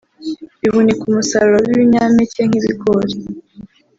bihunika umusaruro w’ibinyampeke nk’ibigori